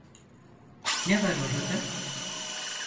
Ne var orada?